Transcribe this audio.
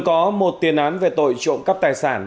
có một tiền án về tội trộm cắp tài sản